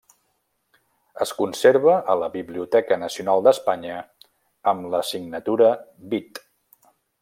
Es conserva a la Biblioteca Nacional d'Espanya amb la signatura Vit.